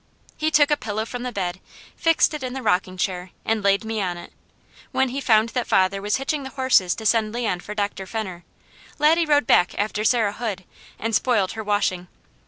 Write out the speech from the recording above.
He took a pillow from the bed, fixed it in the rocking chair and laid me on it. When he found that father was hitching the horses to send Leon for Doctor Fenner, Laddie rode back after Sarah Hood and spoiled her washing.